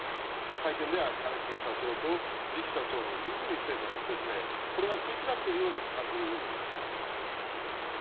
会見では兼重社長と次期社長の和泉専務の説明、これが食い違っているように感じる部分もあったんです。